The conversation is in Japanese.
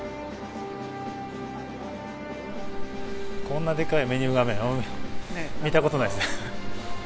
こんなでかいメニュー画面、見たことないですね。